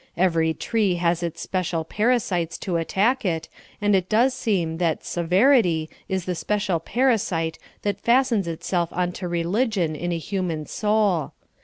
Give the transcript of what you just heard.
Every tree has its special parasites to attack it, and it does seem that se verity is the special parasite that fastens itself onto re ligion in a human soul.